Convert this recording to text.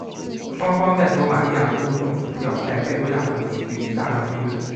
双方在索马利亚过渡政府的要塞拜多亚附近聚集大量军队。